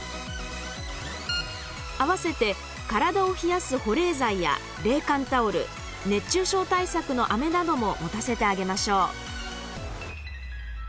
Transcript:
併せて体を冷やす保冷剤や冷感タオル熱中症対策のあめなども持たせてあげましょう。